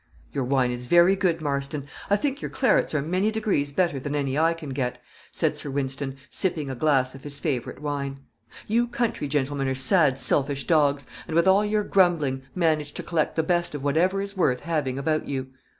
"Your wine is very good, Marston. I think your clarets are many degrees better than any I can get," said Sir Wynston, sipping a glass of his favorite wine. "You country gentlemen are sad selfish dogs; and, with all your grumbling, manage to collect the best of whatever is worth having about you."